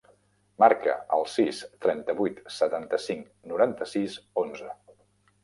Marca el sis, trenta-vuit, setanta-cinc, noranta-sis, onze.